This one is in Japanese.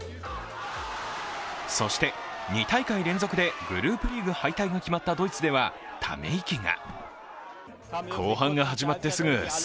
そして２大会連続でグループリーグ敗退が決まったドイツではため息が。